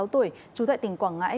hai mươi sáu tuổi trú tại tỉnh quảng ngãi